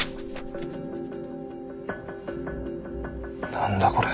何だこれ？